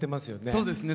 そうですね。